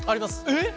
えっ？